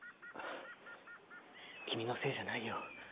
君のせいじゃないよ。